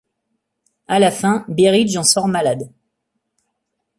À la fin, Berridge en sort malade.